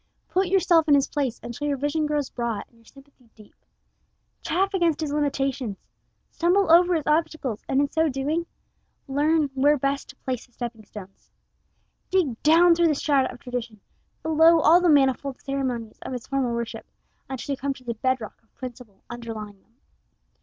Put yourself in his place until your vision grows broad and your sympathy deep. Chafe against his limitations. Stumble over his obstacles, and in so doing learn where best to place the stepping stones. Dig down through the strata of tradition, below all the manifold ceremonies of his formal worship, until you come to the bed rock of principle underlying them.